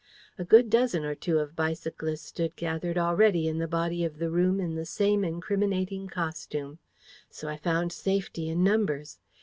A good dozen or two of bicyclists stood gathered already in the body of the room in the same incriminating costume. So I found safety in numbers.